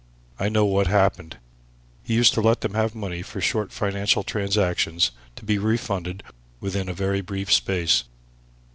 I know what happened he used to let them have money for short financial transactions to be refunded within a very brief space.